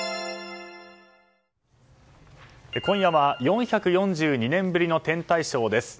今夜は４４２年ぶりの天体ショーです。